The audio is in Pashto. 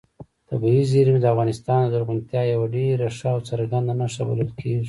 طبیعي زیرمې د افغانستان د زرغونتیا یوه ډېره ښه او څرګنده نښه بلل کېږي.